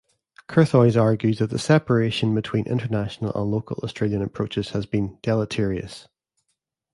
Curthoys argues that the separation between international and local Australian approaches has been deleterious.